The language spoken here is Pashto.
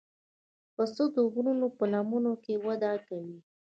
پسه د غرونو په لمنو کې وده کوي.